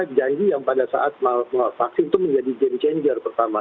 karena janji yang pada saat vaksin itu menjadi game changer pertama